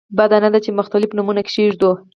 بده نه ده چې مختلف نومونه کېږدو.